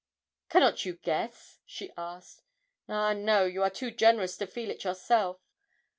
'Cannot you guess?' she asked. 'Ah, no, you are too generous to feel it yourself.